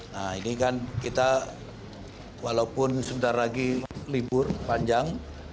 nah ini kan kita walaupun sudah lagi libur panjang